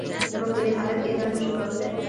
موږ په دې حالت کې ادعا نشو کولای.